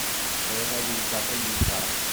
Bɣiɣ ad wteɣ tagiṭart.